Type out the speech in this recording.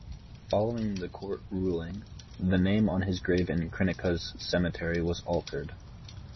Following the court ruling, the name on his grave in Krynica's cemetery was altered.